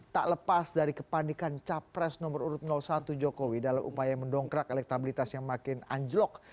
tak lepas dari kepanikan capres nomor urut satu jokowi dalam upaya mendongkrak elektabilitas yang makin anjlok